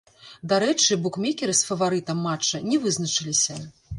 Дарэчы, букмекеры з фаварытам матча не вызначыліся.